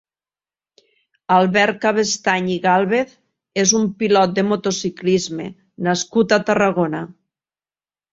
Albert Cabestany i Gálvez és un pilot de motociclisme nascut a Tarragona.